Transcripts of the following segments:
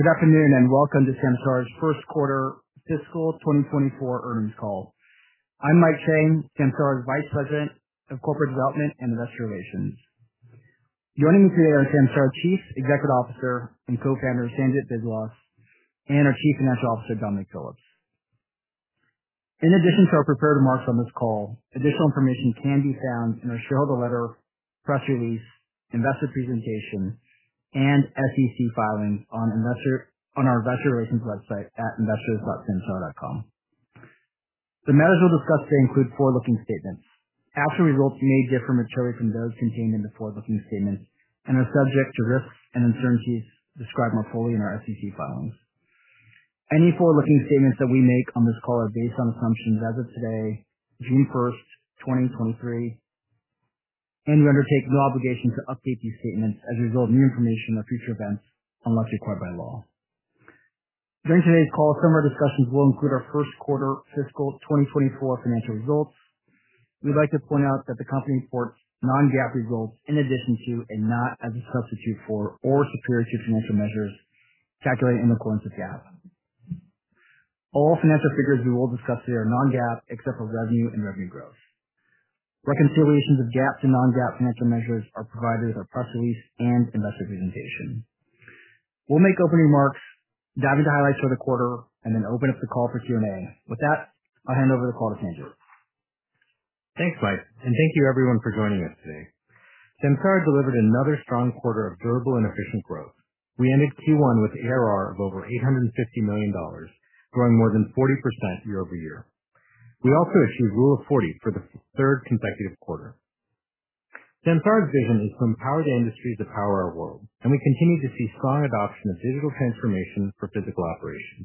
Good afternoon, welcome to Samsara's Q1 Fiscal 2024 Earnings Call. I'm Mike Chang, Samsara's Vice President of Corporate Development and Investor Relations. Joining me today are Samsara Chief Executive Officer and Co-Founder, Sanjit Biswas, and our Chief Financial Officer, Dominic Phillips. In addition to our prepared remarks on this call, additional information can be found in our shareholder letter, press release, investor presentation, and SEC filings on our investor relations website at investors.samsara.com. The matters we'll discuss today include forward-looking statements. Actual results may differ materially from those contained in the forward-looking statements and are subject to risks and uncertainties described more fully in our SEC filings. Any forward-looking statements that we make on this call are based on assumptions as of today, June first, 2023, and we undertake no obligation to update these statements as a result of new information or future events, unless required by law. During today's call, some of our discussions will include our Q1 Fiscal 2024 financial results. We'd like to point out that the company reports non-GAAP results in addition to, and not as a substitute for, or superior to financial measures calculated in accordance with GAAP. All financial figures we will discuss today are non-GAAP, except for revenue and revenue growth. Reconciliations of GAAP to non-GAAP financial measures are provided in our press release and investor presentation. We'll make opening remarks, dive into highlights for the quarter, and then open up the call for Q&A. With that, I'll hand over the call to Sanjit. Thanks, Mike. Thank you everyone for joining us today. Samsara delivered another strong quarter of durable and efficient growth. We ended Q1 with ARR of over $850 million, growing more than 40% year-over-year. We also achieved Rule of 40 for the third consecutive quarter. Samsara's vision is to empower the industry to power our world, and we continue to see strong adoption of digital transformation for physical operations.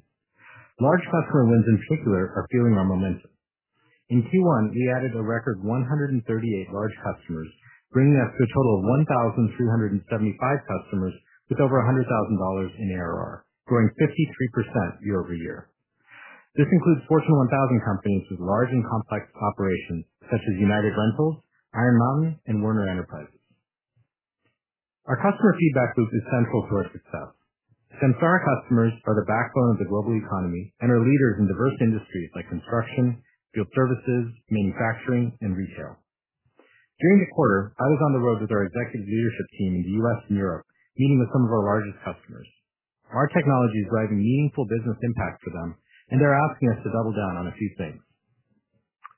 Large customer wins, in particular, are fueling our momentum. In Q1, we added a record 138 large customers, bringing us to a total of 1,375 customers with over $100,000 in ARR, growing 53% year-over-year. This includes Fortune 1000 companies with large and complex operations such as United Rentals, Iron Mountain, and Werner Enterprises. Our customer feedback loop is central to our success. Samsara customers are the backbone of the global economy and are leaders in diverse industries like construction, field services, manufacturing, and retail. During the quarter, I was on the road with our executive leadership team in the US and Europe, meeting with some of our largest customers. Our technology is driving meaningful business impact for them, and they're asking us to double down on a few things.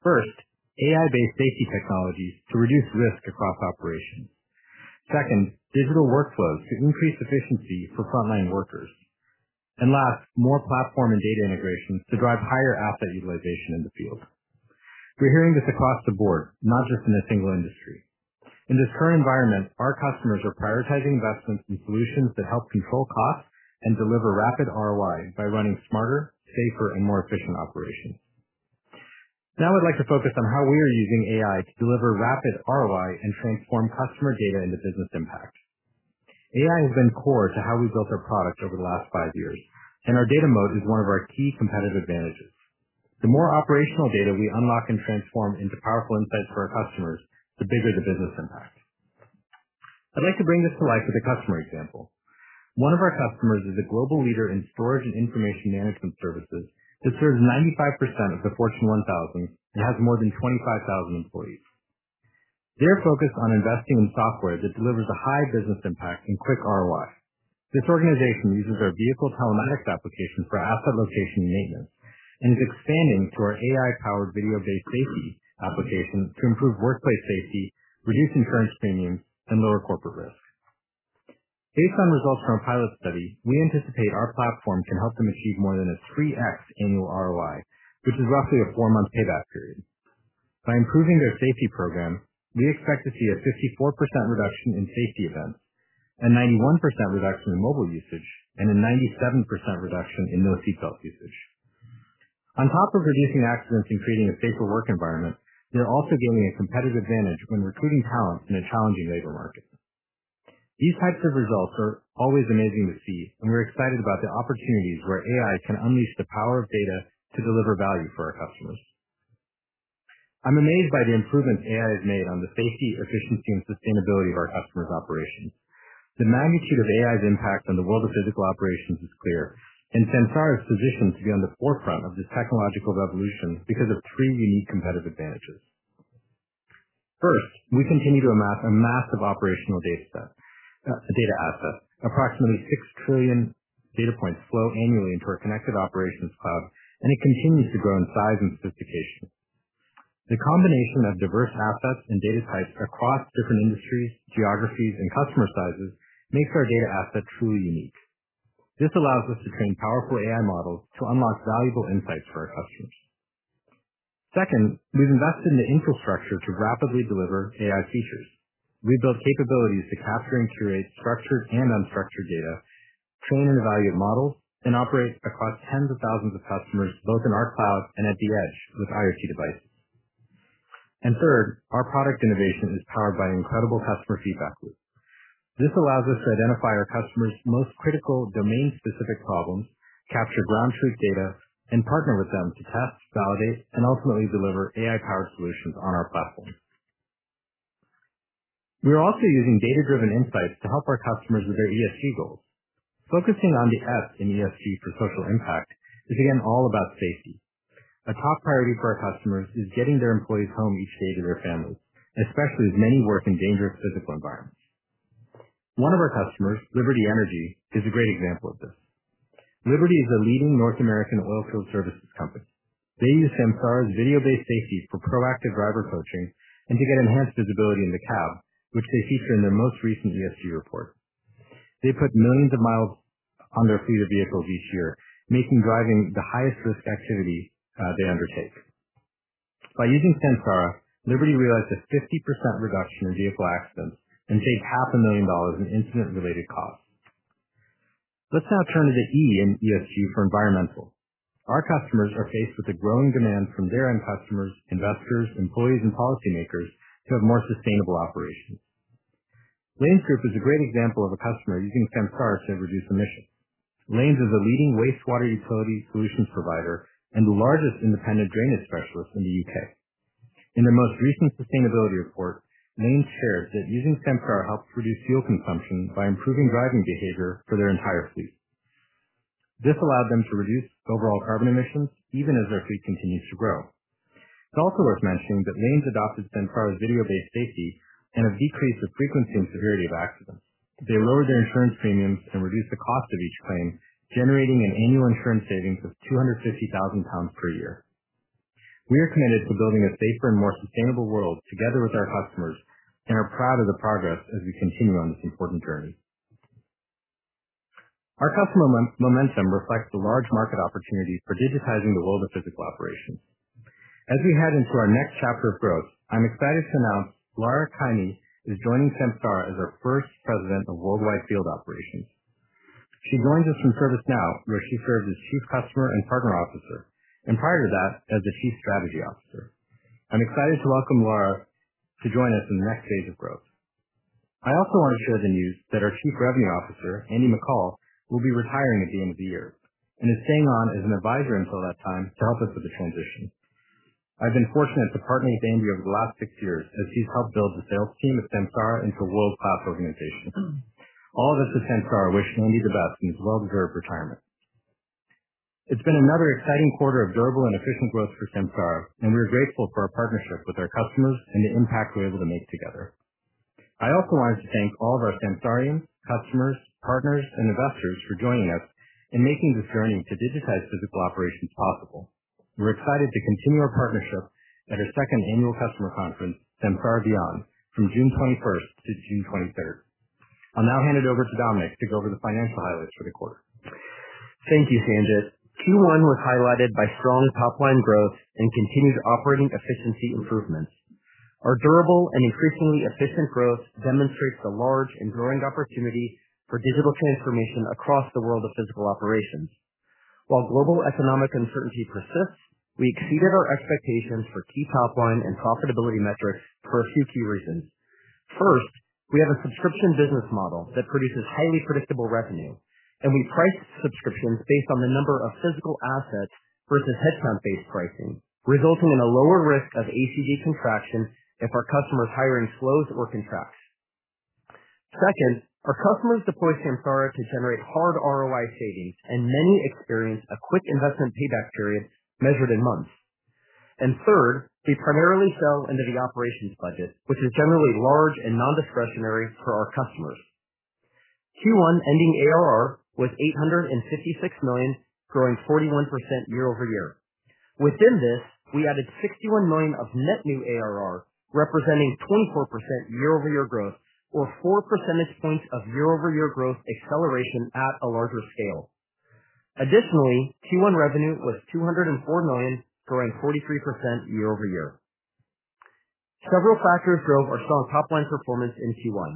First, AI-based safety technologies to reduce risk across operations. Second, digital workflows to increase efficiency for frontline workers. And last, more platform and data integrations to drive higher asset utilization in the field. We're hearing this across the board, not just in a single industry. In this current environment, our customers are prioritizing investments in solutions that help control costs and deliver rapid ROI by running smarter, safer, and more efficient operations. Now I'd like to focus on how we are using AI to deliver rapid ROI and transform customer data into business impact. AI has been core to how we've built our product over the last five years, and our data mode is one of our key competitive advantages. The more operational data we unlock and transform into powerful insights for our customers, the bigger the business impact. I'd like to bring this to life with a customer example. One of our customers is a global leader in storage and information management services that serves 95% of the Fortune 1000 and has more than 25,000 employees. They're focused on investing in software that delivers a high business impact and quick ROI. This organization uses our vehicle telematics application for asset location and maintenance and is expanding to our AI-powered video-based safety application to improve workplace safety, reduce insurance premiums, and lower corporate risk. Based on results from a pilot study, we anticipate our platform can help them achieve more than a 3x annual ROI, which is roughly a four-month payback period. By improving their safety program, we expect to see a 54% reduction in safety events, a 91% reduction in mobile usage, and a 97% reduction in no seatbelt usage. On top of reducing accidents and creating a safer work environment, they're also gaining a competitive advantage when recruiting talent in a challenging labor market. These types of results are always amazing to see, and we're excited about the opportunities where AI can unleash the power of data to deliver value for our customers. I'm amazed by the improvements AI has made on the safety, efficiency, and sustainability of our customers' operations. The magnitude of AI's impact on the world of physical operations is clear, and Samsara is positioned to be on the forefront of this technological revolution because of three unique competitive advantages. First, we continue to amass a massive operational data asset. Approximately 6 trillion data points flow annually into our Connected Operations Cloud, and it continues to grow in size and sophistication. The combination of diverse assets and data types across different industries, geographies, and customer sizes makes our data asset truly unique. This allows us to train powerful AI models to unlock valuable insights for our customers. Second, we've invested in the infrastructure to rapidly deliver AI features. We've built capabilities to capture and curate structured and unstructured data, train and evaluate models, and operate across tens of thousands of customers, both in our cloud and at the edge, with IoT devices. Third, our product innovation is powered by an incredible customer feedback loop. This allows us to identify our customers' most critical domain-specific problems, capture ground truth data, and partner with them to test, validate, and ultimately deliver AI-powered solutions on our platform. We are also using data-driven insights to help our customers with their ESG goals. Focusing on the F in ESG for social impact is, again, all about safety. A top priority for our customers is getting their employees home each day to their families, especially as many work in dangerous physical environments. One of our customers, Liberty Energy, is a great example of this. Liberty is a leading North American oil field services company. They use Samsara's video-based safety for proactive driver coaching and to get enhanced visibility in the cab, which they feature in their most recent ESG report. They put millions of miles on their fleet of vehicles each year, making driving the highest risk activity they undertake. By using Samsara, Liberty realized a 50% reduction in vehicle accidents and saved half a million dollars in incident-related costs. Let's now turn to the E in ESG for environmental. Our customers are faced with a growing demand from their end customers, investors, employees, and policymakers to have more sustainable operations. Lanes Group is a great example of a customer using Samsara to reduce emissions. Lanes is a leading wastewater utility solutions provider and the largest independent drainage specialist in the U.K. In their most recent sustainability report, Lanes shared that using Samsara helped reduce fuel consumption by improving driving behavior for their entire fleet. This allowed them to reduce overall carbon emissions, even as their fleet continues to grow. It's also worth mentioning that Lanes adopted Samsara's video-based safety and a decrease of frequency and severity of accidents. They lowered their insurance premiums and reduced the cost of each claim, generating an annual insurance savings of 250,000 pounds per year. We are committed to building a safer and more sustainable world together with our customers and are proud of the progress as we continue on this important journey. Our customer momentum reflects the large market opportunity for digitizing the world of physical operations. As we head into our next chapter of growth, I'm excited to announce Lara Caimi is joining Samsara as our first President of Worldwide Field Operations. She joins us from ServiceNow, where she served as chief customer and partner officer, and prior to that, as the chief strategy officer. I'm excited to welcome Lara to join us in the next phase of growth. I also want to share the news that our chief revenue officer, Andy McCall, will be retiring at the end of the year and is staying on as an advisor until that time to help us with the transition. I've been fortunate to partner with Andy over the last six years as he's helped build the sales team at Samsara into a world-class organization. All of us at Samsara wish Andy the best in his well-deserved retirement. It's been another exciting quarter of durable and efficient growth for Samsara, and we're grateful for our partnership with our customers and the impact we're able to make together. I also wanted to thank all of our Samsarians, customers, partners, and investors for joining us in making this journey to digitize physical operations possible. We're excited to continue our partnership at our second annual customer conference, Samsara Beyond, from June 21st to June 23rd. I'll now hand it over to Dominic to go over the financial highlights for the quarter. Thank you, Sanjit. Q1 was highlighted by strong top-line growth and continued operating efficiency improvements. Our durable and increasingly efficient growth demonstrates the large and growing opportunity for digital transformation across the world of physical operations. While global economic uncertainty persists, we exceeded our expectations for key top-line and profitability metrics for a few key reasons. First, we have a subscription business model that produces highly predictable revenue, and we price subscriptions based on the number of physical assets versus headcount-based pricing, resulting in a lower risk of ACV contraction if our customers' hiring slows or contracts. Second, our customers deploy Samsara to generate hard ROI savings, and many experience a quick investment payback period measured in months. Third, we primarily sell into the operations budget, which is generally large and non-discretionary for our customers. Q1 ending ARR was $856 million, growing 41% year-over-year. Within this, we added $61 million of net new ARR, representing 24% year-over-year growth, or 4 percentage points of year-over-year growth acceleration at a larger scale. Additionally, Q1 revenue was $204 million, growing 43% year-over-year. Several factors drove our strong top-line performance in Q1.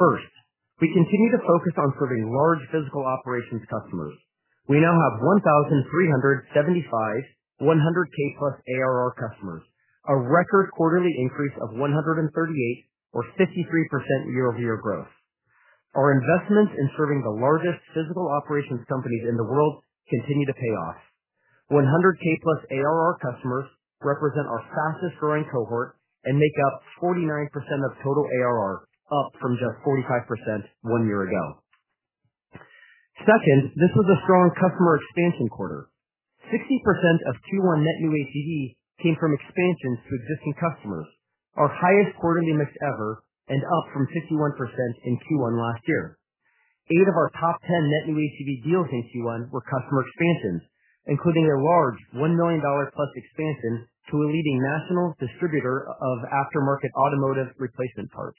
First, we continue to focus on serving large physical operations customers. We now have 1,375, 100K-plus ARR customers, a record quarterly increase of 138 or 53% year-over-year growth. Our investment in serving the largest physical operations companies in the world continue to pay off. 100K-plus ARR customers represent our fastest growing cohort and make up 49% of total ARR, up from just 45% 1 year ago. Second, this was a strong customer expansion quarter. 60% of Q1 net new ACV came from expansions to existing customers, our highest quarterly mix ever, and up from 51% in Q1 last year. Eight of our top 10 net new ACV deals in Q1 were customer expansions, including a large $1 million-plus expansion to a leading national distributor of aftermarket automotive replacement parts.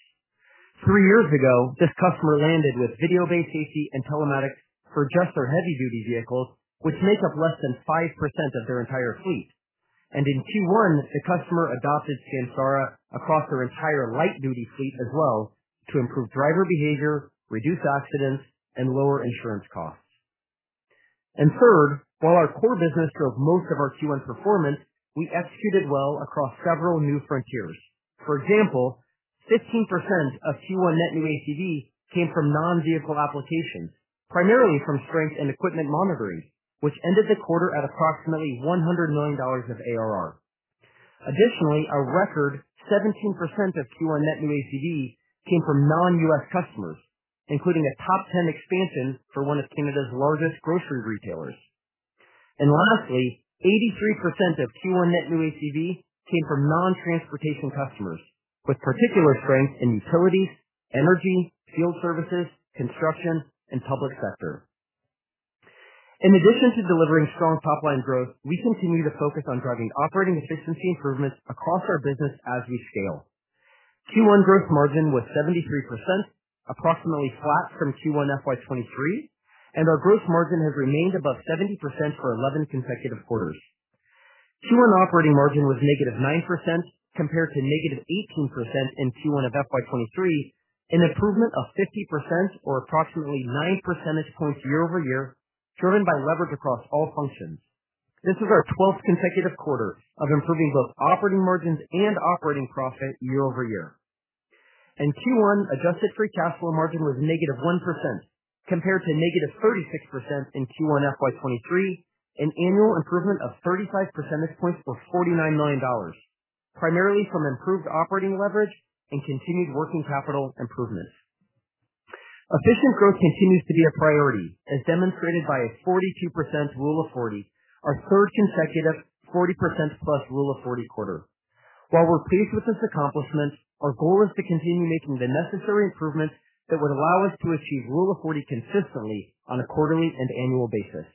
Three years ago, this customer landed with video-based safety and telematics for just their heavy-duty vehicles, which make up less than 5% of their entire fleet. In Q1, the customer adopted Samsara across their entire light-duty fleet as well, to improve driver behavior, reduce accidents, and lower insurance costs. Third, while our core business drove most of our Q1 performance, we executed well across several new frontiers. For example, 15% of Q1 net new ACV came from non-vehicle applications. primarily from strength and equipment monitoring, which ended the quarter at approximately $100 million of ARR. A record 17% of Q1 net new ACV came from non-US customers, including a top 10 expansion for one of Canada's largest grocery retailers. Lastly, 83% of Q1 net new ACV came from non-transportation customers, with particular strength in utilities, energy, field services, construction, and public sector. In addition to delivering strong top line growth, we continue to focus on driving operating efficiency improvements across our business as we scale. Q1 gross margin was 73%, approximately flat from Q1 FY23, and our gross margin has remained above 70% for 11 consecutive quarters. Q1 operating margin was negative 9% compared to negative 18% in Q1 of FY 2023, an improvement of 50% or approximately 9 percentage points year-over-year, driven by leverage across all functions. This is our 12th consecutive quarter of improving both operating margins and operating profit year-over-year. In Q1, adjusted free cash flow margin was negative 1% compared to negative 36% in Q1 FY 2023, an annual improvement of 35 percentage points or $49 million, primarily from improved operating leverage and continued working capital improvements. Efficient growth continues to be a priority, as demonstrated by a 42% Rule of 40, our 3rd consecutive 40% plus Rule of 40 quarter. While we're pleased with this accomplishment, our goal is to continue making the necessary improvements that would allow us to achieve Rule of 40 consistently on a quarterly and annual basis.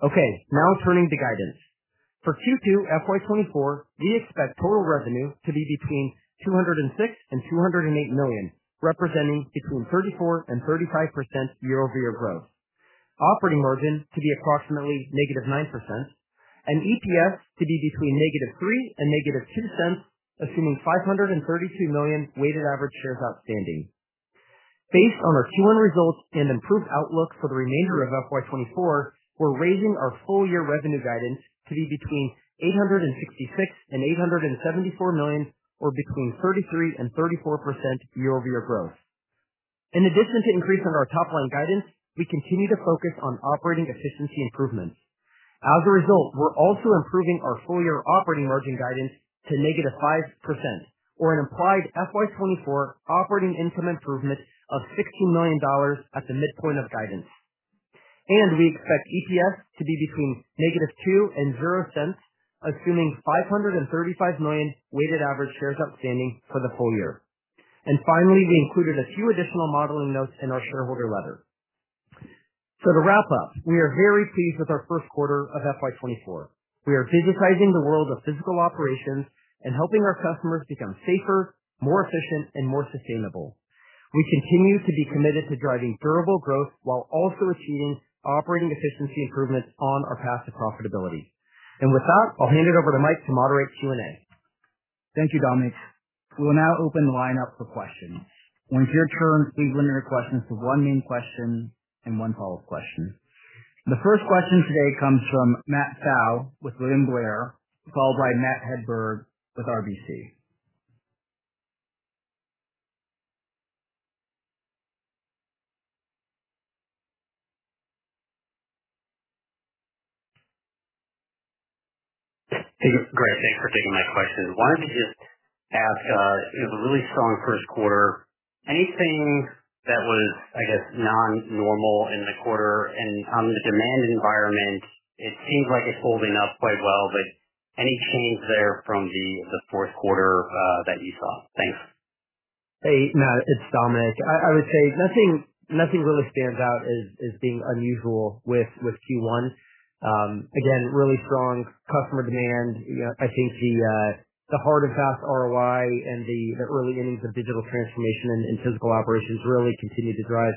Okay, now turning to guidance. For Q2 FY 2024, we expect total revenue to be between $206 million and $208 million, representing between 34% and 35% year-over-year growth. Operating margin to be approximately -9% and EPS to be between -$0.03 and -$0.02, assuming 532 million weighted average shares outstanding. Based on our Q1 results and improved outlook for the remainder of FY 2024, we're raising our full year revenue guidance to be between $866 million and $874 million or between 33% and 34% year-over-year growth. In addition to increasing our top line guidance, we continue to focus on operating efficiency improvements. As a result, we're also improving our full year operating margin guidance to -5%, or an implied FY 2024 operating income improvement of $16 million at the midpoint of guidance. We expect EPS to be between -$0.02 and $0.00, assuming 535 million weighted average shares outstanding for the full year. Finally, we included a few additional modeling notes in our shareholder letter. To wrap up, we are very pleased with our Q1 of FY 2024. We are digitizing the world of physical operations and helping our customers become safer, more efficient, and more sustainable. We continue to be committed to driving durable growth while also achieving operating efficiency improvements on our path to profitability. With that, I'll hand it over to Mike to moderate Q&A. Thank you, Dominic. We'll now open the line up for questions. When it's your turn, please limit your questions to one main question and one follow-up question. The first question today comes from Matt Pfau with William Blair, followed by Matt Hedberg with RBC. Great, thanks for taking my question. Wanted to just ask, it was a really strong Q1. Anything that was, I guess, non-normal in the quarter? On the demand environment, it seems like it's holding up quite well, but any change there from the Q4 that you saw? Thanks. Hey, Matt, it's Dominic. I would say nothing really stands out as being unusual with Q1. Again, really strong customer demand. You know, I think the hard and fast ROI and the early innings of digital transformation and physical operations really continued to drive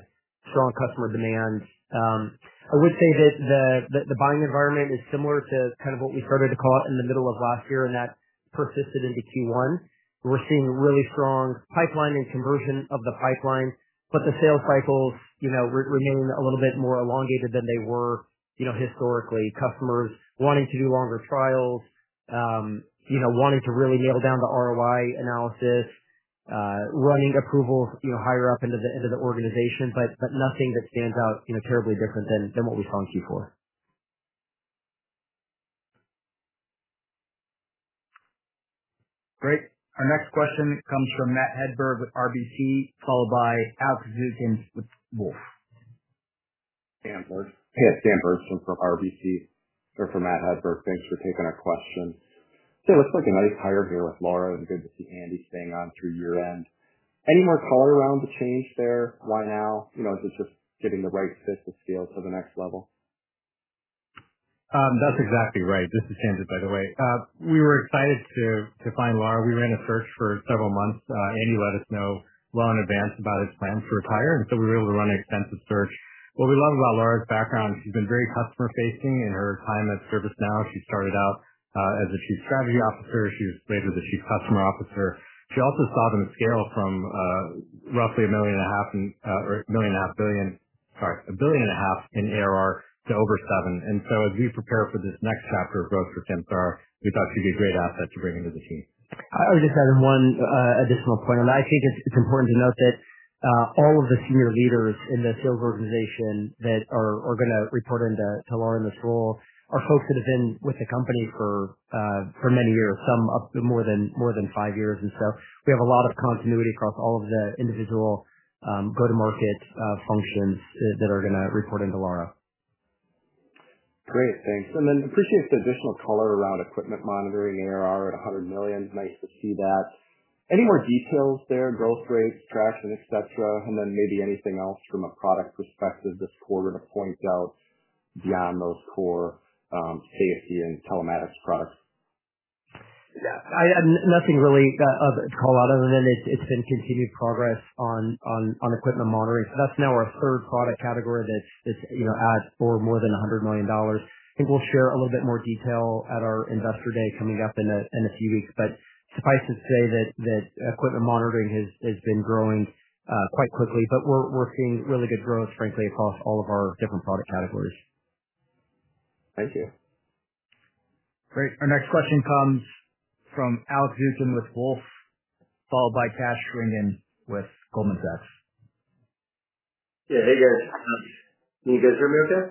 strong customer demand. I would say that the buying environment is similar to kind of what we started to call it in the middle of last year, and that persisted into Q1. We're seeing really strong pipeline and conversion of the pipeline, but the sales cycles, you know, remain a little bit more elongated than they were, you know, historically. Customers wanting to do longer trials, you know, wanting to really nail down the ROI analysis, running approvals, you know, higher up into the organization, but nothing that stands out, you know, terribly different than what we saw in Q4. Great. Our next question comes from Matt Hedberg with RBC, followed by Alex Zukin with Wolfe. Hey, it's Dan Bergstrom from RBC on for Matt Hedberg. Thanks for taking our question. It looks like a nice hire here with Lara, and good to see Andy staying on through year-end. Any more color around the change there? Why now? You know, is this just getting the right fit to scale to the next level? That's exactly right. This is Sanjit, by the way. We were excited to find Lara. We ran a search for several months. Andy let us know well in advance about his plans to retire. We were able to run an extensive search. What we love about Lara's background, she's been very customer-facing in her time at ServiceNow. She started out as the Chief Strategy Officer. She was raised as the Chief Customer Officer. She also saw them scale from roughly a billion and a half in ARR to over $7 billion. As we prepare for this next chapter of growth for Samsara, we thought she'd be a great asset to bring into the team. I would just add in one additional point, and I think it's important to note that all of the senior leaders in the sales organization that are gonna report into Lara in this role, are folks that have been with the company for many years, some up more than 5 years. We have a lot of continuity across all of the individual go-to-market functions that are gonna report into Lara. Great, thanks. Appreciate the additional color around equipment monitoring. ARR at $100 million. Nice to see that. Any more details there, growth rates, traction, et cetera, and then maybe anything else from a product perspective this quarter to point out beyond those core, safety and telematics products? Yeah, I, nothing really of color other than it's been continued progress on equipment monitoring. That's now our third product category that, you know, adds for more than $100 million. I think we'll share a little bit more detail at our Investor Day coming up in a few weeks. Suffice to say that equipment monitoring has been growing quite quickly, but we're seeing really good growth, frankly, across all of our different product categories. Thank you. Great. Our next question comes from Alex Zukin, with Wolfe, followed by Kash Rangan, with Goldman Sachs. Yeah. Hey, guys. Can you guys hear me okay?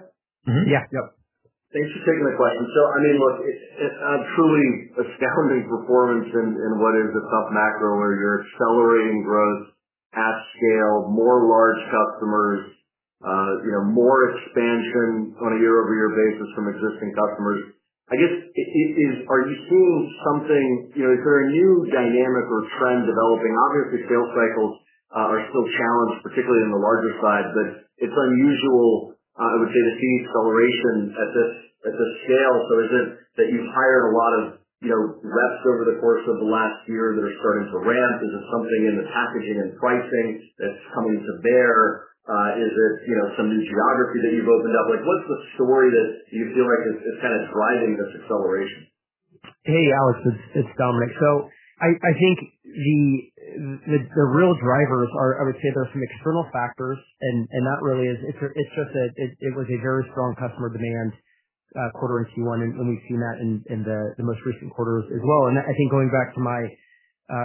Mm-hmm. Yeah. Yep. Thanks for taking the question. I mean, look, it's a truly astounding performance in what is a tough macro, where you're accelerating growth at scale, more large customers, you know, more expansion on a year-over-year basis from existing customers. I guess, are you seeing something? You know, is there a new dynamic or trend developing? Obviously, sales cycles, are still challenged, particularly in the larger size, but it's unusual, I would say, to see acceleration at this, at this scale. Is it that you've hired a lot of, you know, reps over the course of the last year that are starting to ramp? Is it something in the packaging and pricing that's coming to bear? Is it, you know, some new geography that you've opened up? Like, what's the story that you feel like is kind of driving this acceleration? Hey, Alex, it's Dominic. I think the real drivers are, I would say there are some external factors, and that really is, it's just that it was a very strong customer demand quarter in Q1, and we've seen that in the most recent quarters as well. I think going back to my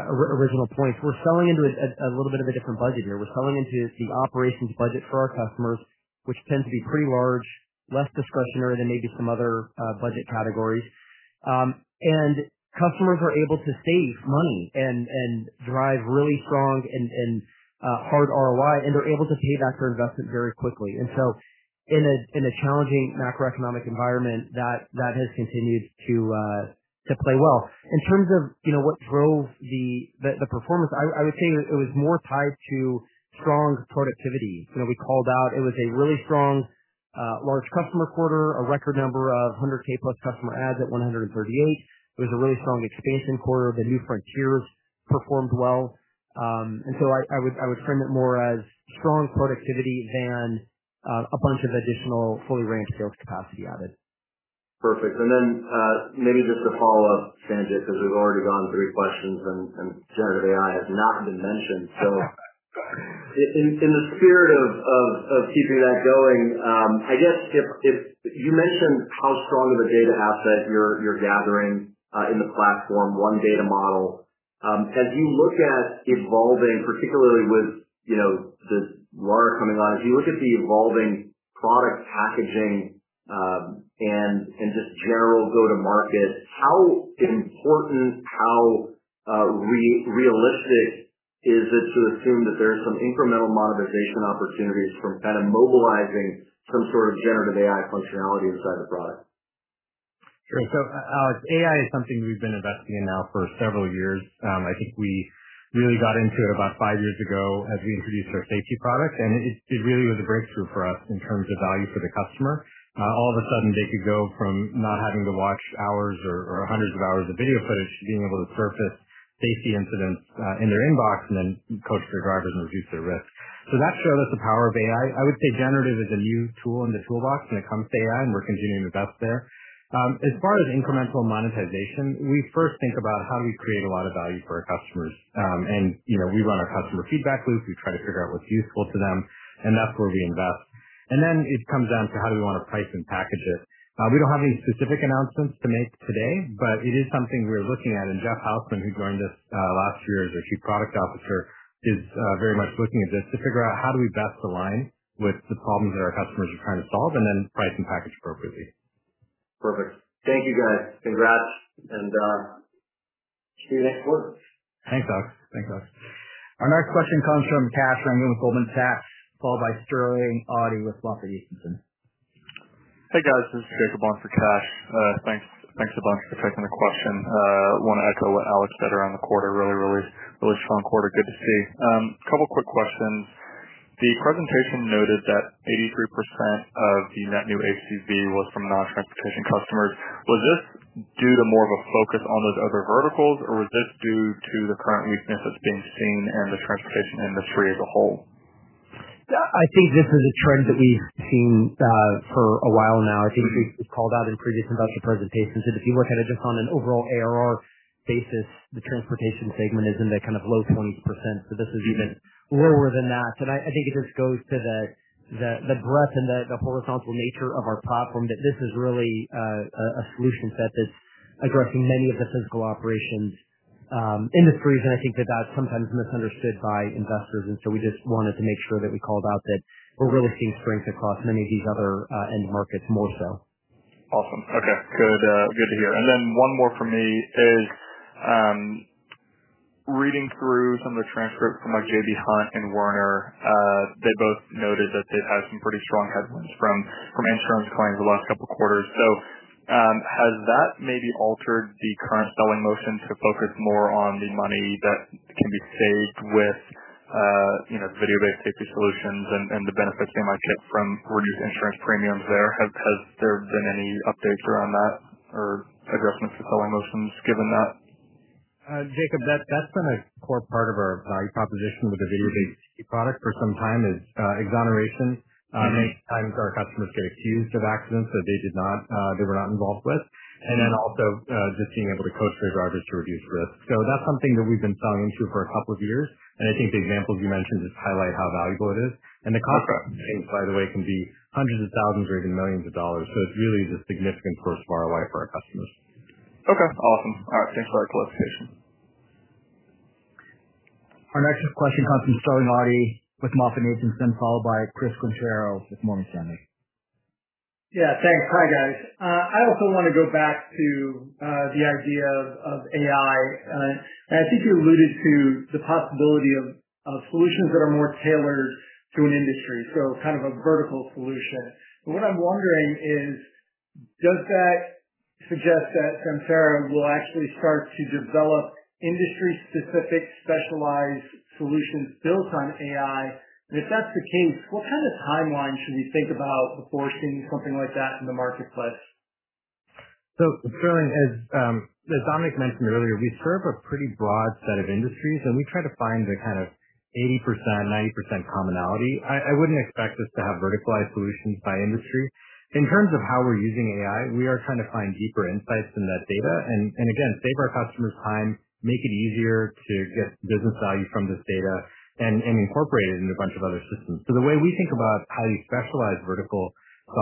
original point, we're selling into a little bit of a different budget year. We're selling into the operations budget for our customers, which tend to be pretty large, less discretionary than maybe some other budget categories. Customers are able to save money and drive really strong and hard ROI, and they're able to pay back their investment very quickly. In a challenging macroeconomic environment, that has continued to play well. In terms of, you know, what drove the performance, I would say it was more tied to strong productivity. You know, we called out it was a really strong large customer quarter, a record number of 100 K-plus customer adds at 138. It was a really strong expansion quarter. The new frontiers performed well. I would frame it more as strong productivity than a bunch of additional fully ramped sales capacity added. Perfect. Then, maybe just a follow-up, Sanjit, because we've already gone three questions and generative AI has not been mentioned. In the spirit of keeping that going, you mentioned how strong of a data asset you're gathering in the platform, one data model. As you look at evolving, particularly with, you know, this ARR coming out, as you look at the evolving product packaging, and just general go-to-market, how important, how realistic is it to assume that there are some incremental monetization opportunities from kind of mobilizing some sort of generative AI functionality inside the product? Sure. AI is something we've been investing in now for several years. I think we really got into it about 5 years ago as we introduced our safety product, and it really was a breakthrough for us in terms of value for the customer. All of a sudden, they could go from not having to watch hours or hundreds of hours of video footage to being able to surface safety incidents in their inbox and then coach their drivers and reduce their risk. That showed us the power of AI. I would say generative is a new tool in the toolbox when it comes to AI, and we're continuing to invest there. As far as incremental monetization, we first think about how do we create a lot of value for our customers. You know, we run our customer feedback loop. We try to figure out what's useful to them, and that's where we invest. Then it comes down to how do we want to price and package it. We don't have any specific announcements to make today, but it is something we're looking at. Jeffrey Hausman, who joined us, last year as our Chief Product Officer, is very much looking at this to figure out how do we best align with the problems that our customers are trying to solve, and then price and package appropriately. Perfect. Thank you, guys. Congrats, and, see you next quarter. Thanks, Alex. Thanks, Alex. Our next question comes from Kash Rangan with Goldman Sachs, followed by Sterling Auty with Barclays. Hey, guys, this is Jacob on for Kash. thanks a bunch for taking the question. I want to echo what Alex said around the quarter. Really strong quarter. Good to see. A couple quick questions. The presentation noted that 83% of the net new ACV was from non-transportation customers. Was this due to more of a focus on those other verticals, or was this due to the current weakness that's being seen in the transportation industry as a whole? I think this is a trend that we've seen for a while now. I think we've called out in previous investor presentations that if you look at it just on an overall ARR basis, the transportation segment is in the kind of low 20%. This is even lower than that. I think it just goes to the breadth and the horizontal nature of our platform, that this is really a solution set that's addressing many of the physical operations industries. I think that that's sometimes misunderstood by investors, and so we just wanted to make sure that we called out that we're really seeing strength across many of these other end markets more so. Awesome. Okay, good to hear. Then one more from me is, reading through some of the transcripts from like J.B. Hunt and Werner, they both noted that they've had some pretty strong headwinds from insurance claims the last couple quarters. Has that maybe altered the current selling motion to focus more on the money that can be saved with, you know, video-based safety solutions and the benefits they might get from reduced insurance premiums there? Has there been any updates around that or adjustments to selling motions given that? Jacob, that's been a core part of our value proposition with the video-based safety product for some time, is, exoneration. Mm-hmm. Many times our customers get accused of accidents that they did not, they were not involved with, and then also, just being able to coach their drivers to reduce risk. That's something that we've been selling to for a couple of years, and I think the examples you mentioned just highlight how valuable it is. The cost savings, by the way, can be hundreds of thousands or even millions of dollars. It's really a significant source of ROI for our customers. Okay, awesome. Thanks for the clarification. Our next question comes from Sterling Auty with MoffettNathanson, followed by Chris Quintero with Morgan Stanley. Yeah, thanks. Hi, guys. I also want to go back to the idea of AI. I think you alluded to the possibility of solutions that are more tailored to an industry, so kind of a vertical solution. What I'm wondering is, does that suggest that Samsara will actually start to develop industry-specific, specialized solutions built on AI? If that's the case, what kind of timeline should we think about before seeing something like that in the marketplace? Sterling, as Dominic mentioned earlier, we serve a pretty broad set of industries, and we try to find the kind of 80%, 90% commonality. I wouldn't expect us to have verticalized solutions by industry. In terms of how we're using AI, we are trying to find deeper insights in that data, and again, save our customers time, make it easier to get business value from this data and incorporate it in a bunch of other systems. The way we think about how you specialize vertical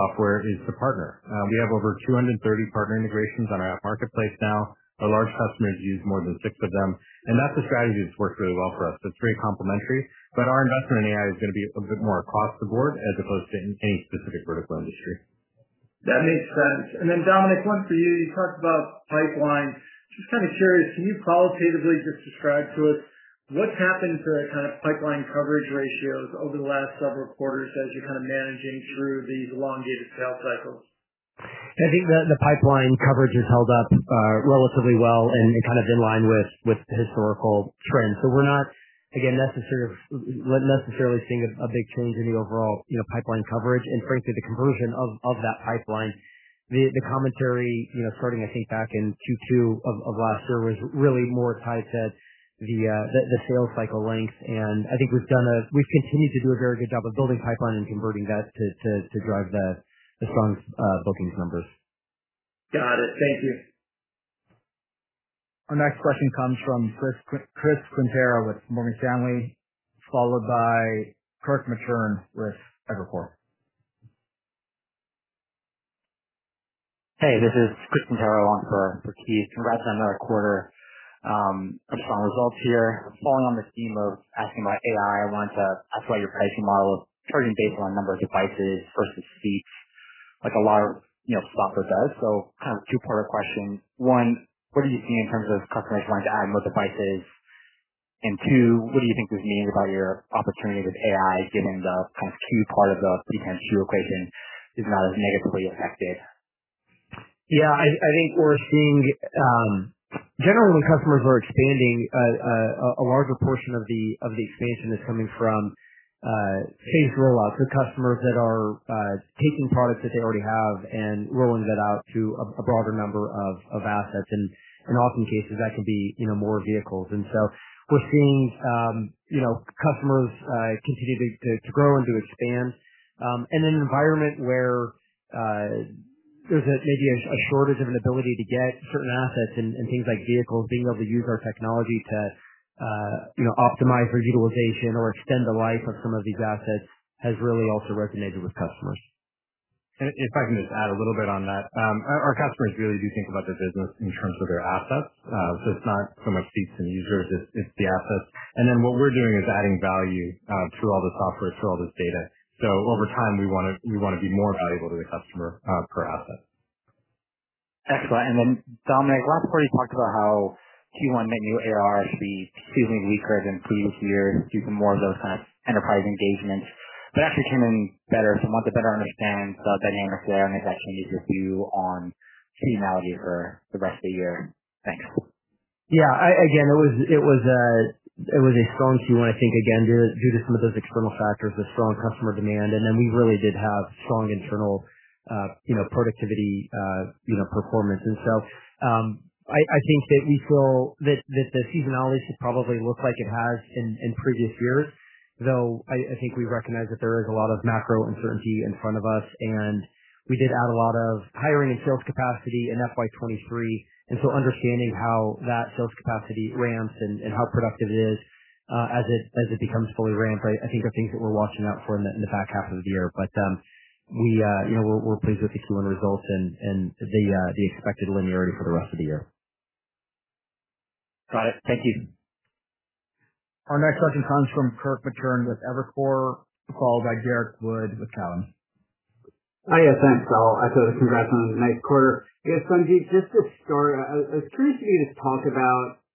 software is to partner. We have over 230 partner integrations on our app marketplace now. Our large customers use more than 6 of them, and that's a strategy that's worked really well for us.It's very complementary, but our investment in AI is going to be a bit more across the board as opposed to in any specific vertical industry. That makes sense. Dominic, one for you. You talked about pipeline. Just kind of curious, can you qualitatively just describe to us what's happened to the kind of pipeline coverage ratios over the last several quarters as you're kind of managing through these elongated sales cycles? I think the pipeline coverage has held up relatively well and kind of in line with historical trends. We're not, again, necessarily seeing a big change in the overall, you know, pipeline coverage and frankly, the conversion of that pipeline. The commentary, you know, starting, I think back in Q2 of last year, was really more tied to the sales cycle length. I think we've continued to do a very good job of building pipeline and converting that to drive the strong bookings numbers. Got it. Thank you. Our next question comes from Chris Quintero with Morgan Stanley, followed by Kirk Materne with Evercore. Hey, this is Chris Quintero on for Keith. Congrats on another quarter of strong results here. Following on the theme of asking about AI, I wanted to ask about your pricing model of charging based on number of devices versus seats, like a lot of, you know, software does. Kind of a two-part question. One, what are you seeing in terms of customers wanting to add more devices? Two, what do you think this means about your opportunity with AI, given the kind of key part of the potential equation is not as negatively affected? I think we're seeing. Generally, when customers are expanding, a larger portion of the expansion is coming from phased rollouts. Customers that are taking products that they already have and rolling that out to a broader number of assets. Often cases that could be, you know, more vehicles. We're seeing, you know, customers continue to grow and to expand in an environment where there's maybe a shortage of an ability to get certain assets and things like vehicles. Being able to use our technology to, you know, optimize for utilization or extend the life of some of these assets has really also resonated with customers. If I can just add a little bit on that. Our customers really do think about their business in terms of their assets. So it's not so much seats and users, it's the assets. Then what we're doing is adding value to all the software, to all this data. Over time, we wanna be more valuable to the customer per asset. Excellent. Dominic, last quarter you talked about how Q1 net new ARR should be seasonally weaker than previous years due to more of those kind of enterprise engagements, but actually came in better. I want to better understand the dynamics there and if that changes your view on seasonality for the rest of the year? Thanks. Yeah, I, again, it was, it was a, it was a strong Q1, I think, again, due to, due to some of those external factors, the strong customer demand, and then we really did have strong internal, you know, productivity, you know, performance. I think that we feel that the seasonality should probably look like it has in previous years, though I think we recognize that there is a lot of macro uncertainty in front of us, and we did add a lot of hiring and sales capacity in FY 2023. Understanding how that sales capacity ramps and how productive it is, as it, as it becomes fully ramped, I think are things that we're watching out for in the, in the back half of the year. We, you know, we're pleased with the Q1 results and the expected linearity for the rest of the year. Got it. Thank you. Our next question comes from Kirk Materne with Evercore, followed by Derrick Wood with Cowen. Hi, yeah, thanks. I thought congrats on the nice quarter. Sanjit, just to start, I was curious for you to talk about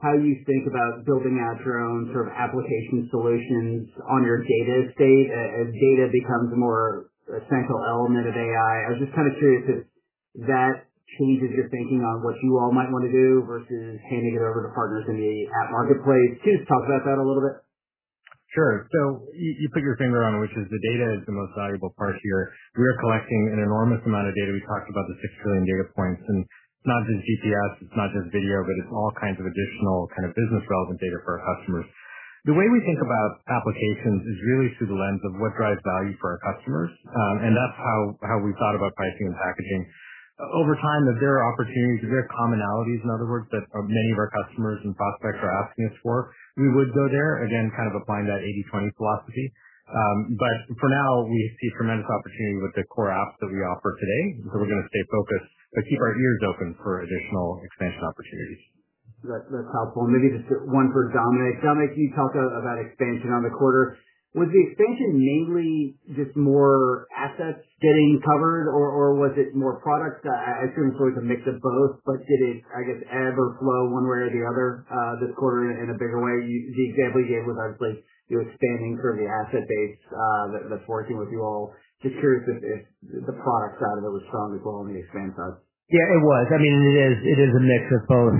how you think about building out your own sort of application solutions on your data estate, as data becomes a more central element of AI. I was just kind of curious if that changes your thinking on what you all might want to do versus handing it over to partners in the app marketplace. Can you just talk about that a little bit? Sure. You, you put your finger on it, which is the data is the most valuable part here. We are collecting an enormous amount of data. We talked about the 6 trillion data points, and it's not just GPS, it's not just video, but it's all kinds of additional kind of business-relevant data for our customers. The way we think about applications is really through the lens of what drives value for our customers, and that's how we've thought about pricing and packaging. Over time, if there are opportunities, if there are commonalities, in other words, that many of our customers and prospects are asking us for, we would go there. Again, kind of applying that 80-20 philosophy. For now, we see tremendous opportunity with the core apps that we offer today. We're gonna stay focused, but keep our ears open for additional expansion opportunities. That's helpful. Maybe just one for Dominic. Dominic, can you talk about expansion on the quarter? Was the expansion mainly just more assets getting covered, or was it more product? I assume it's probably a mix of both, but did it, I guess, ebb or flow one way or the other, this quarter in a bigger way? The example you gave was obviously you expanding from the asset base, that's working with you all. Just curious if the product side of it was strong as well on the expand side. Yeah, it was. I mean, it is a mix of both.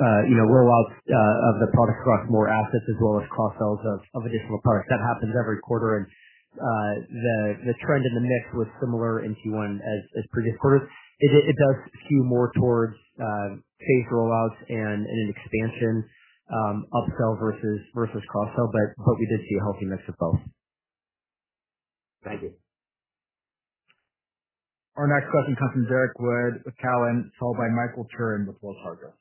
You know, rollouts of the product across more assets as well as cross-sells of additional products. That happens every quarter, and the trend in the mix was similar in Q1 as previous quarters. It does skew more towards paid rollouts and an expansion upsell versus cross-sell, but what we did see a healthy mix of both. Thank you. Our next question comes from Derrick Wood with Cowen, followed by Michael Turrin with Wells Fargo.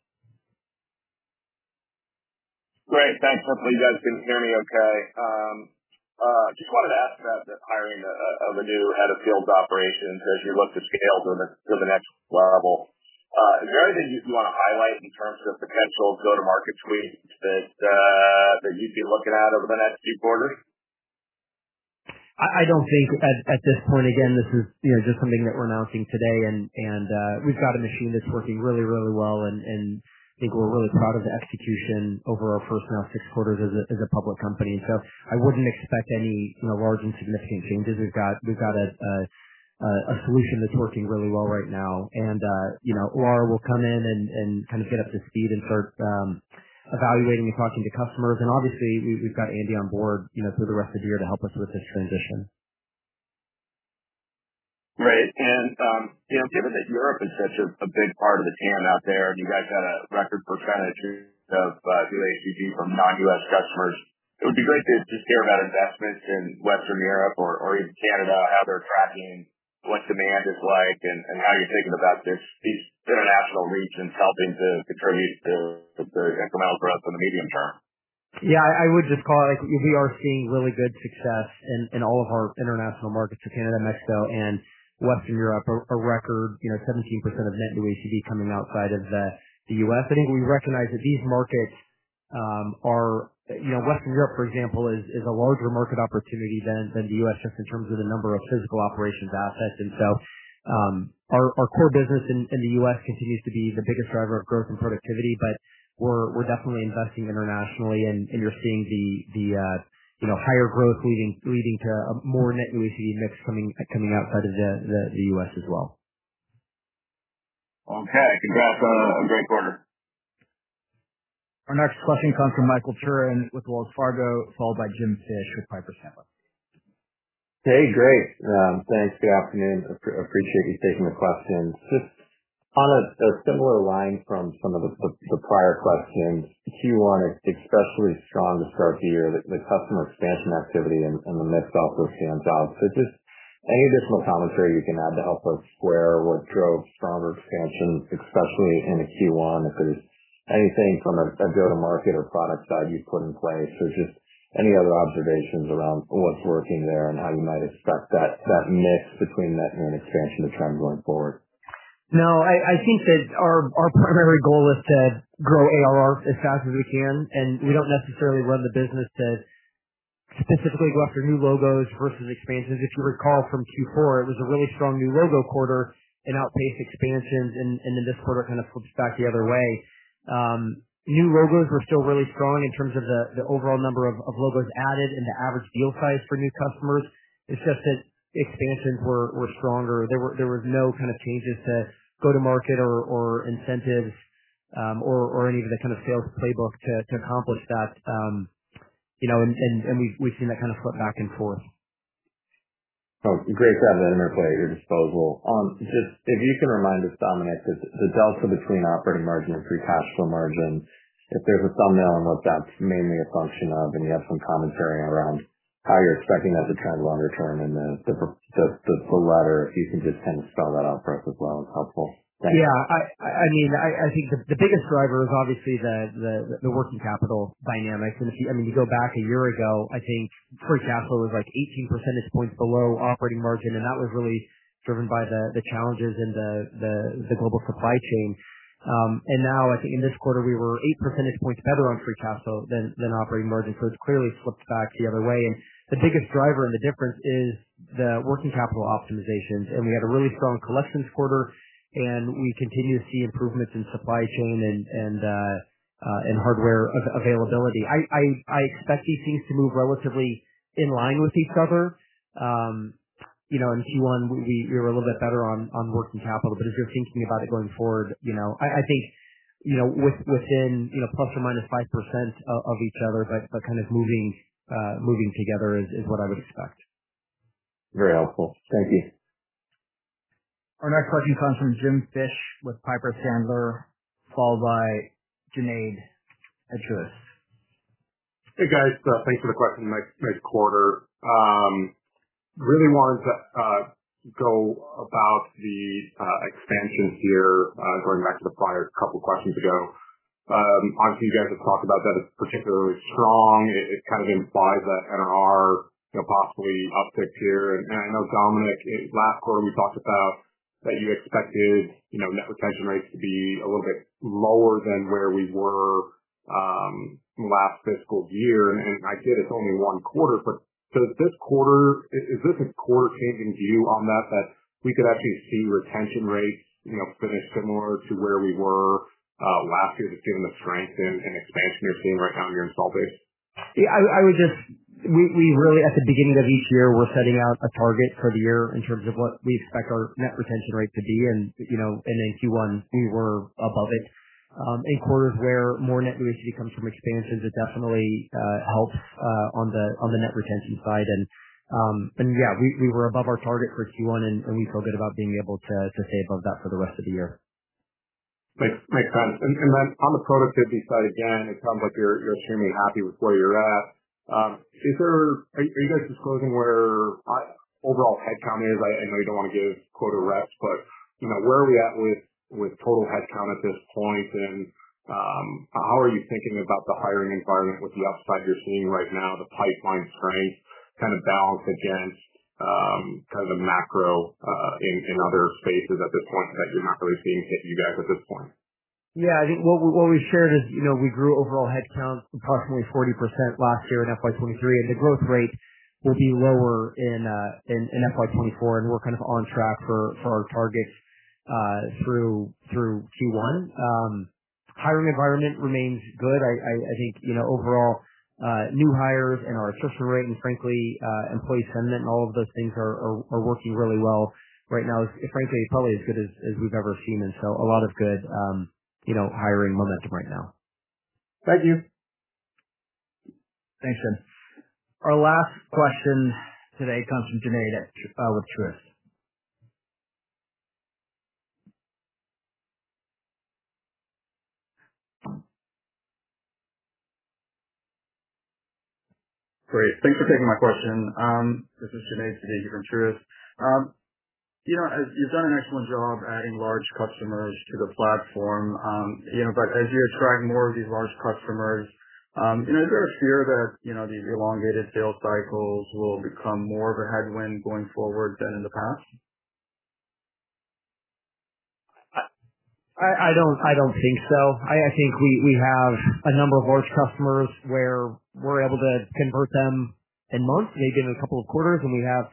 Great. Thanks. Hopefully, you guys can hear me okay. Just wanted to ask about the hiring of the new head of fields operations as you look to scale to the next level. Is there anything you want to highlight in terms of potential go-to-market tweaks that you'd be looking at over the next few quarters? I don't think at this point, again, this is, you know, just something that we're announcing today and we've got a machine that's working really, really well, and I think we're really proud of the execution over our first now six quarters as a public company. I wouldn't expect any, you know, large and significant changes. We've got a solution that's working really well right now. you know, Lara will come in and kind of get up to speed and start evaluating and talking to customers. obviously, we've got Andy on board, you know, through the rest of the year to help us with this transition. Great. You know, given that Europe is such a big part of the TAM out there, you guys had a record percentage of new ACV from non-US customers. It would be great to just hear about investments in Western Europe or even Canada, how they're tracking, what demand is like, and how you're thinking about this, these international regions helping to contribute to the incremental growth in the medium term. Yeah, I would just call out, we are seeing really good success in all of our international markets to Canada, Mexico, and Western Europe. A record, you know, 17% of net new ACV coming outside of the U.S. I think we recognize that these markets. You know, Western Europe, for example, is a larger market opportunity than the U.S. just in terms of the number of physical operations assets. Our core business in the U.S. continues to be the biggest driver of growth and productivity, but we're definitely investing internationally, and you're seeing the, you know, higher growth leading to a more net new ACV mix coming outside of the U.S. as well. Okay. Congrats on a great quarter. Our next question comes from Michael Turrin with Wells Fargo, followed by Jim Fish with Piper Sandler. Hey, great. Thanks. Good afternoon. Appreciate you taking the questions. Just on a similar line from some of the prior questions, Q1 is especially strong to start the year. The customer expansion activity and the mix also stands out. Just any additional commentary you can add to help us square what drove stronger expansion, especially in the Q1, if there's anything from a go-to-market or product side you've put in place, or just any other observations around what's working there and how you might expect that mix between net new and expansion to trend going forward? No, I think that our primary goal is to grow ARR as fast as we can, and we don't necessarily run the business to specifically go after new logos versus expansions. If you recall from Q4, it was a really strong new logo quarter and outpaced expansions, and then this quarter kind of flips back the other way. New logos were still really strong in terms of the overall number of logos added and the average deal size for new customers. It's just that expansions were stronger. There was no kind of changes to go to market or incentives or any of the kind of sales playbook to accomplish that. You know, we've seen that kind of flip back and forth. Great to have that interplay at your disposal. Just if you can remind us, Dominic, the delta between operating margin and free cash flow margin, if there's a thumbnail on what that's mainly a function of, and you have some commentary around how you're expecting that to trend longer term and the latter, if you can just kind of spell that out for us as well, it's helpful. Yeah. I mean, I think the biggest driver is obviously the working capital dynamics. If you I mean, you go back a year ago, I think free cash flow was like 18 percentage points below operating margin, and that was really driven by the challenges in the global supply chain. Now, I think in this quarter, we were 8 percentage points better on free cash flow than operating margin. It's clearly flipped back the other way. The biggest driver in the difference is the working capital optimizations. We had a really strong collections quarter, and we continue to see improvements in supply chain and hardware availability. I expect these things to move relatively in line with each other. You know, in Q1, we were a little bit better on working capital, but as you're thinking about it going forward, you know, I think, you know, within, you know, ±5% of each other, but kind of moving together is what I would expect. Very helpful. Thank you. Our next question comes from Jim Fish with Piper Sandler, followed by Junaid Siddiqui. Hey, guys. thanks for the question. Nice quarter. really wanted to go about the expansion here, going back to the prior couple questions ago. obviously, you guys have talked about that as particularly strong. It kind of implies that NR, you know, possibly uptick here. I know, Dominic, in last quarter, you talked about that you expected, you know, net retention rates to be a little bit lower than where we were, last fiscal year. I get it's only one quarter, but does this quarter is this a quarter changing view on that we could actually see retention rates, you know, finish similar to where we were, last year, just given the strength in expansion you're seeing right now in your install base? I would just... we really, at the beginning of each year, we're setting out a target for the year in terms of what we expect our net retention rate to be, and, you know, in Q1, we were above it. In quarters where more net new comes from expansions, it definitely helps on the net retention side. Yeah, we were above our target for Q1, and we feel good about being able to stay above that for the rest of the year. Makes sense. Then on the productivity side, again, it sounds like you're seemingly happy with where you're at. Are you guys disclosing where overall headcount is? I know you don't want to give quota reps, but, you know, where are we at with total headcount at this point? How are you thinking about the hiring environment with the upside you're seeing right now, the pipeline strength kind of balanced against, kind of the macro in other spaces at this point that you're not really seeing hit you guys at this point? Yeah, I think what we shared is, you know, we grew overall headcount approximately 40% last year in FY 23, and the growth rate will be lower in FY 24, and we're kind of on track for our targets through Q1. Hiring environment remains good. I think, you know, overall, new hires and our attrition rate and frankly, employee sentiment and all of those things are working really well right now. Frankly, probably as good as we've ever seen. A lot of good, you know, hiring momentum right now. Thank you. Thanks, Jim. Our last question today comes from Junaid at, with Truist. Great. Thanks for taking my question. This is Junaid Siddiqui from Truist. You know, you've done an excellent job adding large customers to the platform. As you attract more of these large customers, you know, is there a fear that, you know, these elongated sales cycles will become more of a headwind going forward than in the past? I don't think so. I think we have a number of large customers where we're able to convert them in months, maybe in a couple of quarters, and we have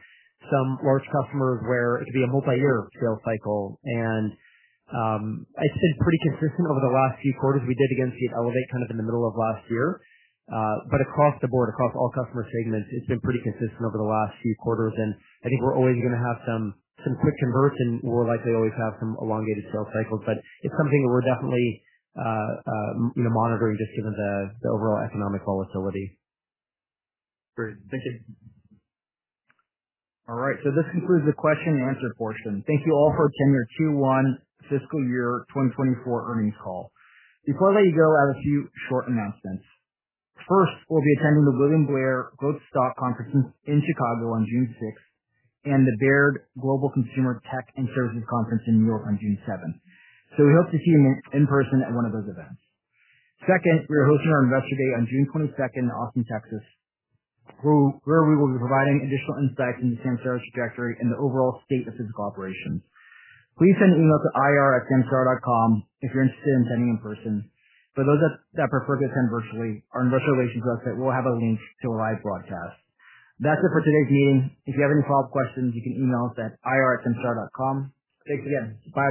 some large customers where it could be a multi-year sales cycle. It's been pretty consistent over the last few quarters. We did, again, see it elevate kind of in the middle of last year. But across the board, across all customer segments, it's been pretty consistent over the last few quarters, and I think we're always gonna have some quick converts, and we'll likely always have some elongated sales cycles, but it's something we're definitely, you know, monitoring, just given the overall economic volatility. Great. Thank you. All right, this concludes the question and answer portion. Thank you all for attending our Q1 Fiscal Year 2024 Earnings Call. Before I let you go, I have a few short announcements. First, we'll be attending the William Blair Growth Stock Conference in Chicago on June 6th, and the Baird Global Consumer, Tech & Services Conference in New York on June 7th. We hope to see you in person at one of those events. Second, we are hosting our Investor Day on June 22nd in Austin, Texas, where we will be providing additional insights into Samsara's trajectory and the overall state of the physical operations. Please send an email to ir@samsara.com if you're interested in attending in person. For those that prefer to attend virtually, our investor relations website will have a link to a live broadcast. That's it for today's meeting. If you have any follow-up questions, you can email us at ir@samsara.com. Thanks again. Bye-bye.